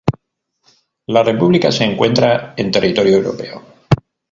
La república se encuentra en territorio europeo.